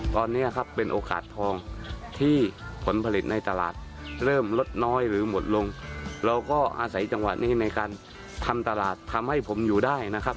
ตอนนี้ครับเป็นโอกาสทองที่ผลผลิตในตลาดเริ่มลดน้อยหรือหมดลงเราก็อาศัยจังหวะนี้ในการทำตลาดทำให้ผมอยู่ได้นะครับ